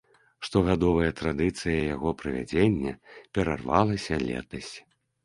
Штогадовая традыцыя яго правядзення перарвалася летась.